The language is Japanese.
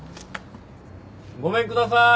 ごめんください！